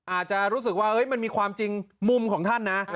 อาจจะรู้สึกว่ามันมีความจริงมุมของท่านนะ